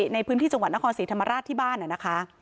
ในพื้นที่จังหวัดนครศรีธรรมราชที่บ้านนะคะ